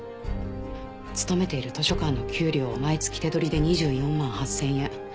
勤めている図書館の給料は毎月手取りで２４万８０００円。